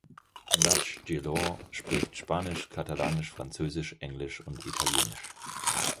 Duch Guillot spricht Spanisch, Katalanisch, Französisch, Englisch und Italienisch.